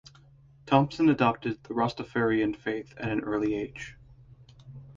Thompson adopted the Rastafarian faith at an early age.